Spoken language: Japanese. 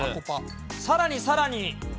さらにさらに。